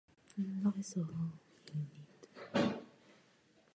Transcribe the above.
Západní průčelí zakončuje trojúhelníkový štít s kamenným křížem na vrcholu.